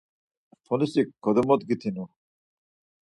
Polisik kodomogutinu.